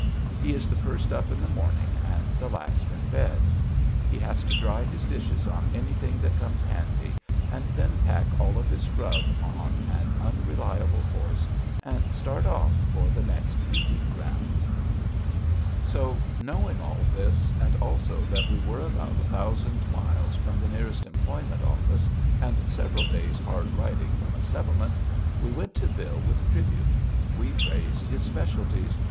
He is the first up in the morning and the last in bed. He has to dry his dishes on anything that comes handy, and then pack all of his grub on an unreliable horse and start off for the next eating ground. So, knowing all this, and also that we were about a thousand miles from the nearest employment office and several days' hard riding from a settlement, we went to Bill with tribute. We praised his specialties.